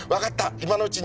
今のうちに」